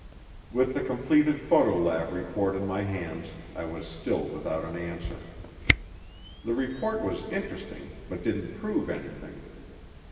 With the completed photo lab report in my hands, I was still without an answer. The report was interesting but didn't prove anything.